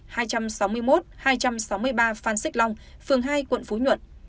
hai trăm sáu mươi ba phan xích long phường hai quận phú nhuận